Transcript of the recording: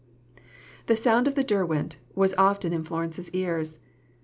The sound of the Derwent was often in Florence's ears.